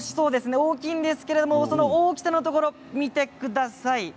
大きいんですけどその大きさのところ見てください。